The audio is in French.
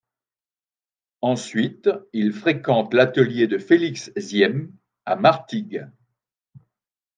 Ensuite, il fréquente l'atelier de Félix Ziem à Martigues.